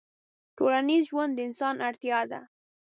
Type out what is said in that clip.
ټولنيز ژوند د انسان اړتيا ده